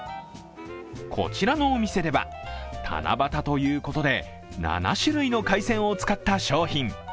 こちらのお店では、七夕ということで７種類の海鮮を使った商品。